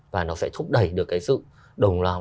và nó sẽ thúc đẩy được cái sự đồng lòng